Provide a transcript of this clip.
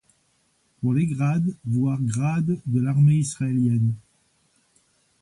Pour les grades voir Grades de l'armée israélienne.